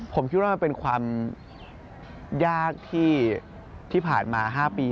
ผมคิดว่ามันเป็นความยากที่ผ่านมา๕ปี